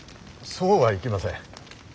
そうはいきません。